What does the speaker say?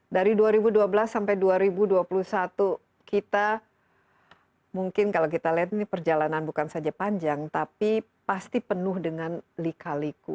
dari dua ribu dua belas sampai dua ribu dua puluh satu kita mungkin kalau kita lihat ini perjalanan bukan saja panjang tapi pasti penuh dengan lika liku